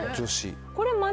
これ。